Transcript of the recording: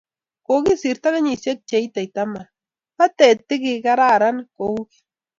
Kikosirto kenyisiek che itei taman pate tikararan kou keny